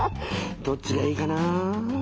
どっちがいいかなあ。